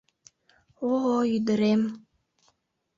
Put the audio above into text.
О-ой, ӱдырем'